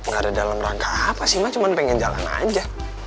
gak ada dalam rangka apa sih mah cuma pengen jalan aja